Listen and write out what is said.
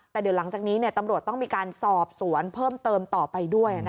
แต่เดี๋ยวหลังจากนี้ตำรวจต้องมีการสอบสวนเพิ่มเติมต่อไปด้วย